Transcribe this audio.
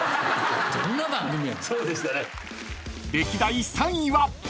［歴代３位は］